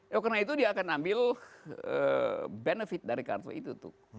ya karena itu dia akan ambil benefit dari kartu itu tuh